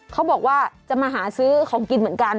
เขาบอกว่าจะมาหาซื้อของกินเหมือนกัน